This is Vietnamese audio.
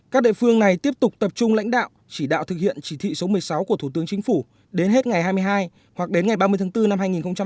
các địa phương này tiếp tục tập trung lãnh đạo chỉ đạo thực hiện chỉ thị số một mươi sáu của thủ tướng chính phủ đến hết ngày hai mươi hai hoặc đến ngày ba mươi tháng bốn năm hai nghìn hai mươi